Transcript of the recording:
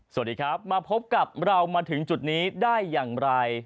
สวัสดีครับมาพบกับเรามาถึงจุดนี้ได้อย่างไร